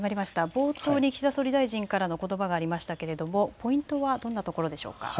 冒頭に岸田総理大臣からのことばがありましたけれどもポイントはどんな所でしょうか。